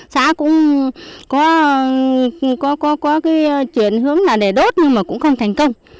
xã cũng có cái chuyển hướng là để đốt nhưng mà cũng không thành công